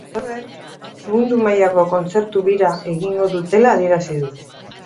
Halaber, mundo mailako kontzertu bira egingo dutela adierazi dute.